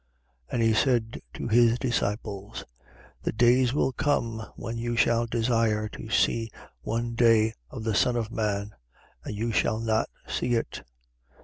17:22. And he said to his disciples: The days will come when you shall desire to see one day of the Son of man. And you shall not see it.